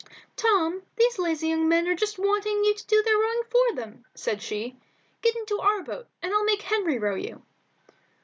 "Tom, these lazy young men are just wanting you to do their rowing for them," said she. "Get into our boat, and I'll make Henry row you."